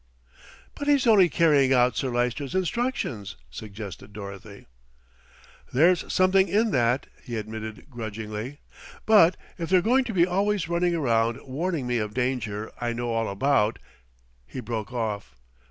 "But he's only carrying out Sir Lyster's instructions," suggested Dorothy. "There's something in that," he admitted grudgingly, "but if they're going to be always running around warning me of danger I know all about " He broke off.